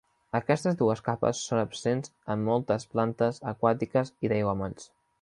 Aquestes dues capes són absents en moltes plantes aquàtiques i d'aiguamolls.